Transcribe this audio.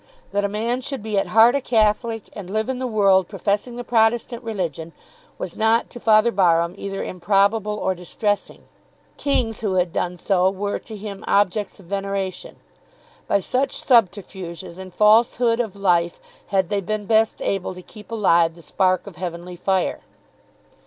That a man should be at heart a Catholic, and live in the world professing the Protestant religion, was not to Father Barham either improbable or distressing. Kings who had done so were to him objects of veneration. By such subterfuges and falsehood of life had they been best able to keep alive the spark of heavenly fire.